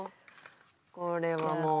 これはもう。